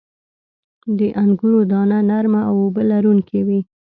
• د انګورو دانه نرمه او اوبه لرونکې وي.